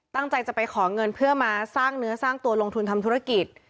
ตั้งใจจะไปขอเงินเพื่อมาสร้างเนื้อสร้างตัวลงทุนทำธุรกิจ